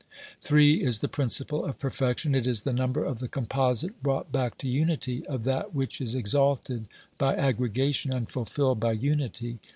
Three is the principle of perfection ; it is the number of the composite brought back to unity, of that which is exalted by aggregation and fulfilled by unity.